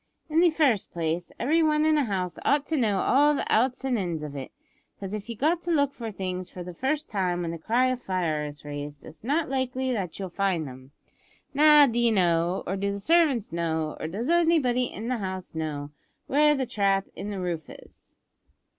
"In the first place, every one in a house ought to know all the outs and ins of it, 'cause if you've got to look for things for the first time when the cry of `Fire' is raised, it's not likely that you'll find 'em. Now, d'ye know, or do the servants know, or does anybody in the house know, where the trap in the roof is?"